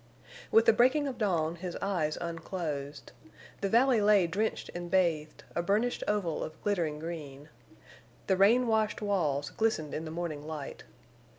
With the breaking of dawn his eyes unclosed. The valley lay drenched and bathed, a burnished oval of glittering green. The rain washed walls glistened in the morning light.